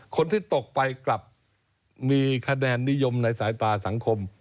คนที่ตกไปกลับมีคะแนนนิยมในสายตาสังคม